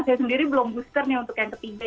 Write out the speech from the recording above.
saya sendiri belum booster nih untuk yang ketiga